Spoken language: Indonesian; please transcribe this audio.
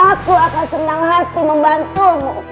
aku akan senang hati membantumu